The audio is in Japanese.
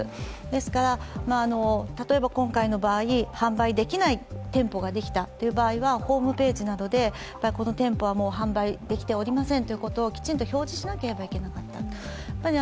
ですから、例えば今回の場合、販売できない店舗ができた場合はホームページなどでこの店舗はもう販売できていませんということをきちんと表示しなければいけなかった。